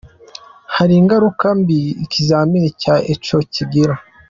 Hari ingaruka mbi ikizamini cya Echo kigira?.